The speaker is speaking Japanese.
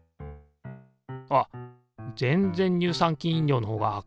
あっ全然乳酸菌飲料のほうが明るい。